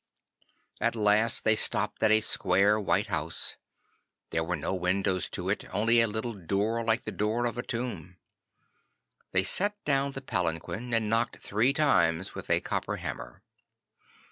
'At last they stopped at a square white house. There were no windows to it, only a little door like the door of a tomb. They set down the palanquin and knocked three times with a copper hammer.